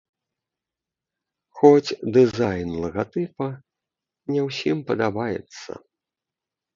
Хоць дызайн лагатыпа не ўсім падабаецца.